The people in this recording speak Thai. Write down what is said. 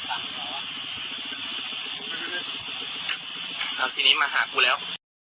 เอาทีนี้มาหากูแล้ว